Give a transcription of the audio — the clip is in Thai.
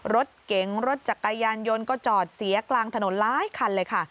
รถเก๋งรถจักรยานยนต์ก็จอดเสียกลางถนนหลายคันเลยค่ะ